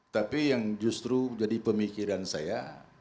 tapi yang justru jadi pemikiran saya